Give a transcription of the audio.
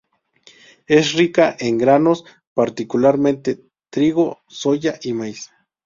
Es rica en granos, particularmente trigo, soja y maíz.